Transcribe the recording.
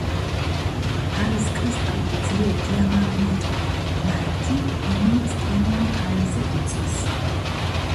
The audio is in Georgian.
არის კრისტალური ძლიერ დიამაგნიტური ნაერთი, რომელიც ტენიან ჰაერზე იწვის.